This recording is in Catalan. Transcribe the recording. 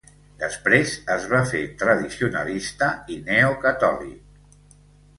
Després es va fer tradicionalista i neocatòlic.